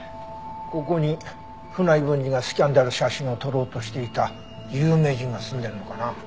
ここに船井文治がスキャンダル写真を撮ろうとしていた有名人が住んでるのかな？